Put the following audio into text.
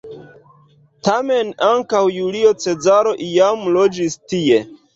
Tamen ankaŭ Julio Cezaro iam loĝis tie.